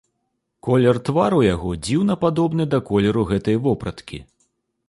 Колер твару яго дзіўна падобны да колеру гэтай вопраткі.